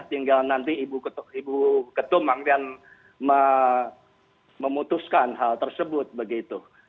tinggal nanti ibu ketumang yang memutuskan hal tersebut begitu